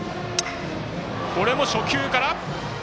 これも初球から。